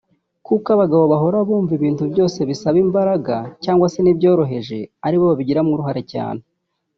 Kuko abagabo bahora bumva ibintu byose bisaba imbaraga cyangwa se n’ibyoroheje ari bo babigiramo uruhare cyane